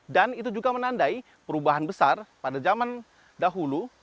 dan itu juga menandai perubahan besar pada zaman dahulu